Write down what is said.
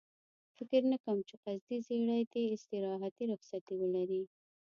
فکر نه کوم چې قصدي ژېړی دې استراحتي رخصتي ولري.